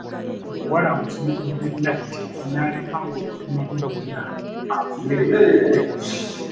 Omuwala amusumuludde natti n’aleka ng’omutima gwe gwonna agumerengudde!